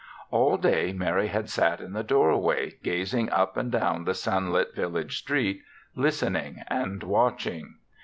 All day Mary had sat in the doorway gazing up and down the sunlit village street, listening and watching.